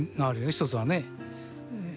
一つはね。